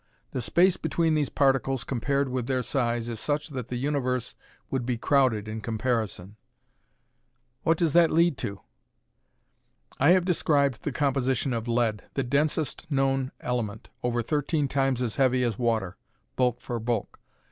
The space between these particles compared with their size is such that the universe would be crowded in comparison." "What does that lead to?" "I have described the composition of lead, the densest known element, over thirteen times as heavy as water, bulk for bulk.